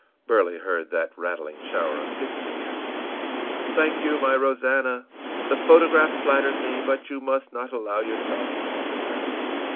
î Burley heard that rattling shower of kisses again. ìThank you, my Rosannah! The photograph flatters me, but you must not allow yourself to think of that.